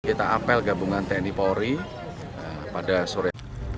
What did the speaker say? kita apel gabungan tni polri pada sore